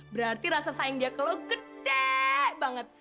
berarti rasa sayang dia ke lo gedeee banget